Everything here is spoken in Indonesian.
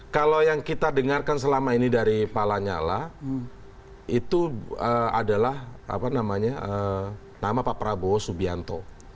kalau yang kita dengarkan selama ini dari pala nyala itu adalah apa namanya nama pak prabowo subianto